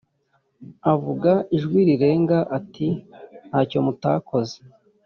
Avuga ijwi rirenga ati”ntacyo mutakoze”